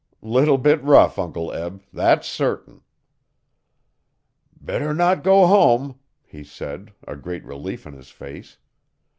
'Little bit rough, Uncle Eb that's certain.' 'Better not go hum,' he said, a great relief in his face.